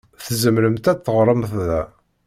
Tzemremt ad teɣṛemt da.